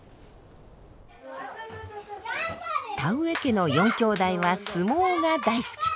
田上家の４きょうだいは相撲が大好き。